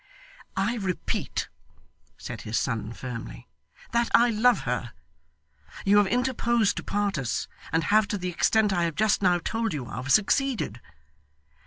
'I repeat,' said his son firmly, 'that I love her. You have interposed to part us, and have, to the extent I have just now told you of, succeeded.